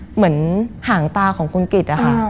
เหมือนหางตาของคุณกิตอะค่ะ